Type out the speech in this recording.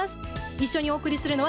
一緒にお送りするのは。